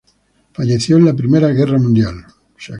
Falleció en la Primera Guerra Mundial.